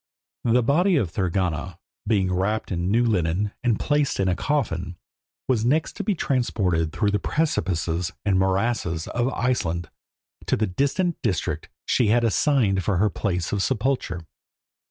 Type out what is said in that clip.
The body of Thorgunna, being wrapped in new linen and placed in a coffin, was next to be transported through the precipices and morasses of Iceland to the distant district she had assigned for her place of sepulture.